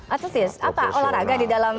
aktivis apa olahraga di dalam